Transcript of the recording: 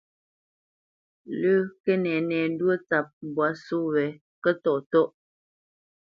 Lə́ Kənɛnɛndwó tsâp mbwǎ só wě Kətɔ́ʼtɔ́ʼ.